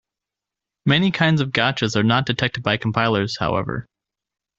Many kinds of gotchas are not detected by compilers, however.